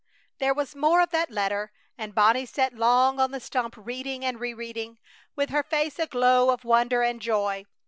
There was more of that letter, and Bonnie sat long on the stump reading and re reading, with her face a glow of wonder and joy.